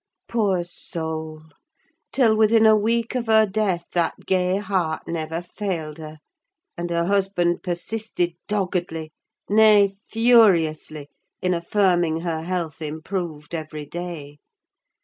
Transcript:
Poor soul! Till within a week of her death that gay heart never failed her; and her husband persisted doggedly, nay, furiously, in affirming her health improved every day.